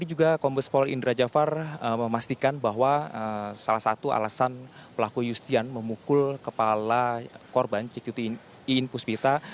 tadi juga kombespol indra jafar memastikan bahwa salah satu alasan pelaku yustian memukul kepala korban cikyuti iin puspita